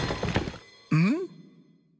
うん？